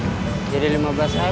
enggak abis lebaran kita naik